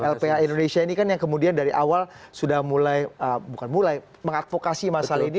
lpa indonesia ini kan yang kemudian dari awal sudah mulai bukan mulai mengadvokasi masalah ini